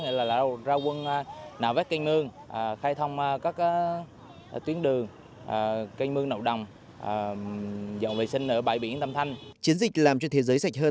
nghĩa là ra quân nạo vét canh mương khai thông các tuyến đường canh mương nậu đồng dọn vệ sinh ở bãi biển tam thanh